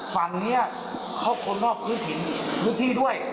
ฝั่งนี้เขาคนนอกพื้นถิ่นพื้นที่ด้วย